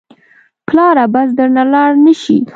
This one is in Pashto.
پلاره بس درنه لاړ نه شې.